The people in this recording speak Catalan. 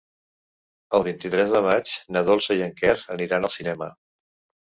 El vint-i-tres de maig na Dolça i en Quer aniran al cinema.